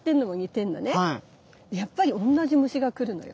やっぱりおんなじ虫が来るのよ。